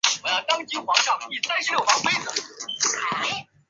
椭圆叶花锚为龙胆科花锚属下的一个种。